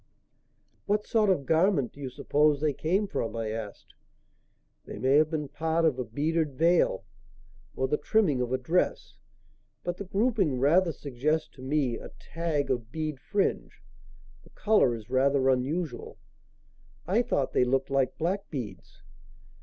"What sort of garment do you suppose they came from?" I asked. "They may have been part of a beaded veil or the trimming of a dress, but the grouping rather suggests to me a tag of bead fringe. The colour is rather unusual." "I thought they looked like black beads."